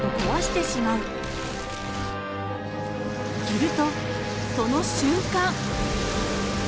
するとその瞬間！